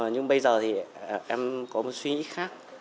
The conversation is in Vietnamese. nhưng bây giờ thì em có một suy nghĩ khác